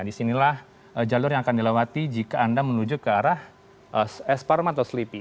disinilah jalur yang akan dilewati jika anda menuju ke arah esparman atau selipi